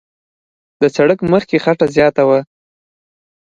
د سړک مخ کې خټه زیاته وه.